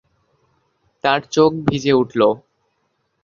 তার চোখ ভিজে উঠল।